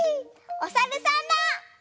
おさるさんだ！